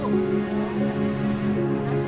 orang ini kerja di sini gak